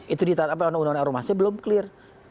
itu di tahun tahun tahun ormasnya belum clear